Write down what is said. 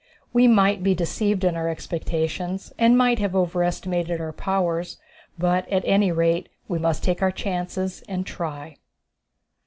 We might be deceived in our expectations, and might have overestimated our powers, but at any rate we must take our chances and try.